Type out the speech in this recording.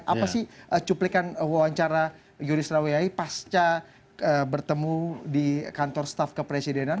apa sih cuplikan wawancara yoris rawiyai pasca bertemu di kantor staf kepresidenan